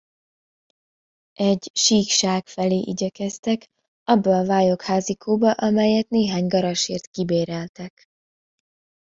Egy síkság felé igyekeztek, abba a vályogházikóba, amelyet néhány garasért kibéreltek.